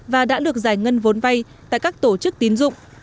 và đã được giải ngân vốn vay tại các tổ chức tín dụng